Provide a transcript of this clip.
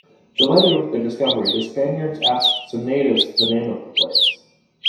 Delighted with their discovery, the Spaniards asked some natives the name of the place.